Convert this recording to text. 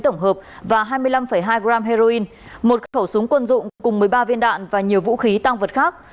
tổng hợp và hai mươi năm hai g heroin một khẩu súng quân dụng cùng một mươi ba viên đạn và nhiều vũ khí tăng vật khác